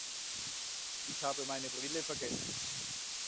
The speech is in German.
Ich habe meine Brille vergessen.